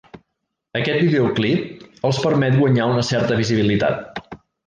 Aquest videoclip els permet guanyar una certa visibilitat.